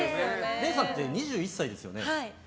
れいさんって２１歳ですよね。